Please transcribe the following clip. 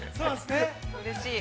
◆うれしい。